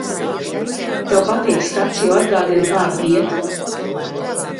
Tev patīk skats, jo atgādina kādu vietu?